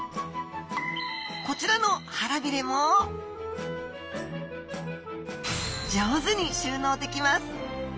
こちらの腹びれも上手に収納できます。